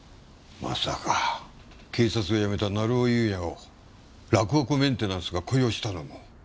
まさか警察を辞めた成尾優也を洛北メンテナンスが雇用したのも？